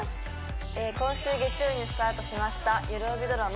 今週月曜にスタートしましたよるおびドラマ「